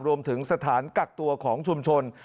รวมถึงสถานกักตัวของชุมชน